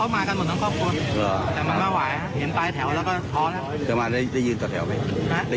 เป้ว่าไม่มีความหวังไม่มีความหวังอะไร